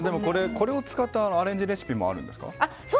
これを使ったアレンジレシピもあるんですか？